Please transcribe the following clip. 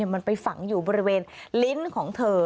มันไปฝังอยู่บริเวณลิ้นของเธอ